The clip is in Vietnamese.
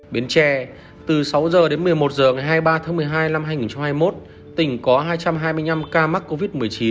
bến tre từ sáu h đến một mươi một h ngày hai mươi ba tháng một mươi hai năm hai nghìn hai mươi một tỉnh có hai trăm hai mươi năm ca mắc covid một mươi chín